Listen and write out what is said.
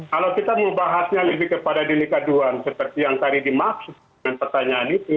kalau kita mau bahasnya lebih kepada delik aduan seperti yang tadi dimaksud dengan pertanyaan itu